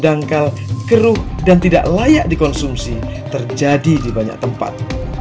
dangkal keruh dan tidak layak dikonsumsi terjadi di banyak tempat